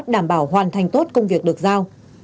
đảm bảo hoàn thành tốt công việc được giao